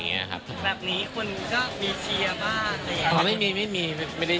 สาวคนไหนเข้าใกล้เมืองก็มีข่าว